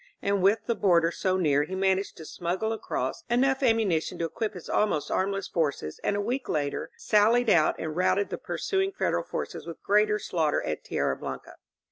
And with the border so near he managed to smuggle across enough ammunition to equip his almost armless forces and a week later sallied out and routed the pursuing Federal forces with great slaughter at Tierra Blanca.